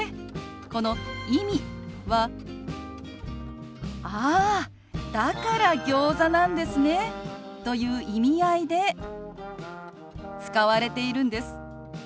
この「意味」は「あーだからギョーザなんですね」という意味合いで使われているんです。